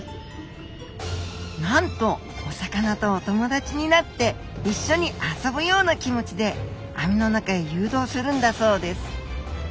なんとお魚とお友達になって一緒に遊ぶような気持ちで網の中へ誘導するんだそうです